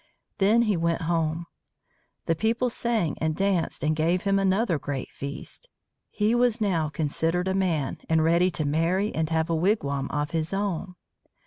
Then he went home. The people sang and danced and gave him another great feast. He was now considered a man and ready to marry and have a wigwam of his own.